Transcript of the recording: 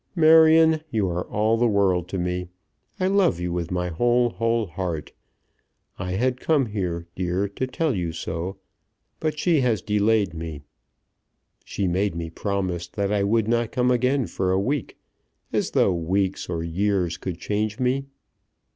Marion, you are all the world to me. I love you with my whole, whole heart. I had come here, dear, to tell you so; but she has delayed me. She made me promise that I would not come again for a week, as though weeks or years could change me?